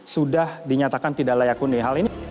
sudah dinyatakan tidak layak huni hal ini